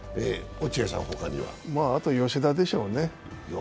あと吉田でしょうね。